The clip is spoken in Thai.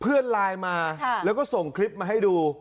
เพื่อนไลน์มาแล้วก็ส่งคลิปมาให้ดู